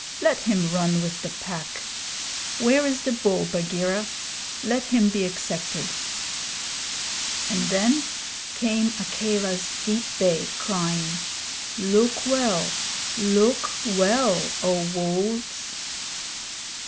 Let him run with the Pack. Where is the bull, Bagheera? Let him be accepted.' And then came Akela's deep bay, crying: Look well look well, O Wolves!'